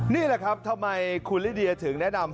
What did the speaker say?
นี่แหละครับทำไมคุณลิเดียถึงแนะนำ